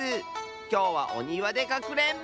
きょうはおにわでかくれんぼ！